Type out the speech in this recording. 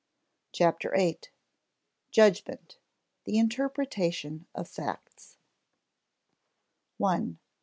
CHAPTER EIGHT JUDGMENT: THE INTERPRETATION OF FACTS § 1.